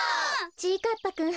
ちぃかっぱくん。